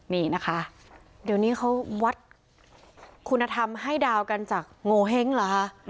นี่นะคะเดี๋ยวนี้เขาวัดคุณธรรมให้ดาวกันจากโงเห้งเหรอคะ